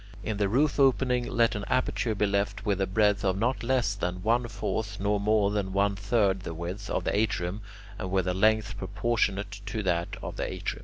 In the roof opening let an aperture be left with a breadth of not less than one fourth nor more than one third the width of the atrium, and with a length proportionate to that of the atrium.